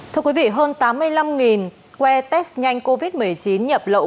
thưa quý vị hơn tám mươi năm que test nhanh covid một mươi chín nhập lậu